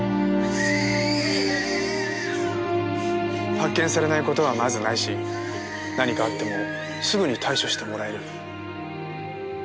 発見されない事はまずないし何かあってもすぐに対処してもらえる。